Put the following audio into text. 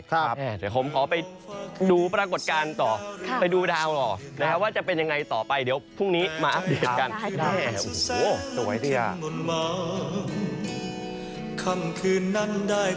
เดี๋ยวผมขอไปดูปรากฏการณ์ต่อไปดูดาวต่อนะครับว่าจะเป็นยังไงต่อไปเดี๋ยวพรุ่งนี้มาอัปเดตกัน